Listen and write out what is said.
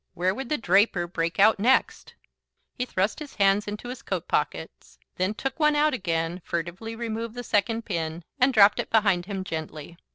Where would the draper break out next? He thrust his hands into his coat pockets, then took one out again, furtively removed the second pin and dropped it behind him gently.